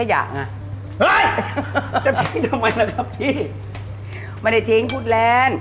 เฮ้ยจะทิ้งทำไมล่ะครับพี่ไม่ได้ทิ้งพูดแลนด์